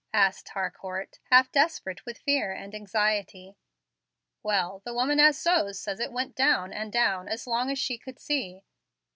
asked Harcourt, half desperate with fear and anxiety. "Well, the woman as sews says it went down and down as long as she could see."